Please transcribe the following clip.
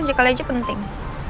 kamu angkat aja kalau aja penting